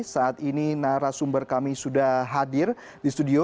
saat ini narasumber kami sudah hadir di studio